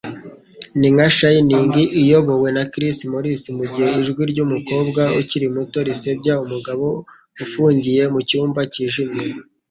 Ni nka Shining iyobowe na Chris Morris mugihe ijwi ryumukobwa ukiri muto risebya umugabo ufungiye mucyumba cyijimye.